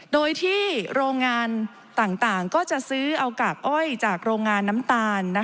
โดยที่โรงงานต่างก็จะซื้อเอากากอ้อยจากโรงงานน้ำตาล